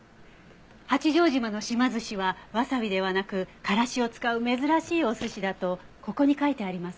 八丈島の島ずしはワサビではなくカラシを使う珍しいお寿司だとここに書いてあります。